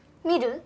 見る？